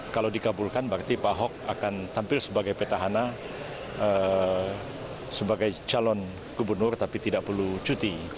kalau dikabulkan berarti pak ahok akan tampil sebagai petahana sebagai calon gubernur tapi tidak perlu cuti